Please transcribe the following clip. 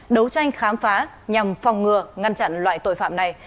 đấu tranh khám phá nhằm phòng ngừa ngăn chặn loại tội phạm này